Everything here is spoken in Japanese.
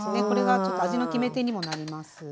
これが味の決め手にもなります。